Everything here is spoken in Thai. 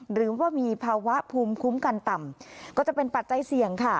หรือว่ามีภาวะภูมิคุ้มกันต่ำก็จะเป็นปัจจัยเสี่ยงค่ะ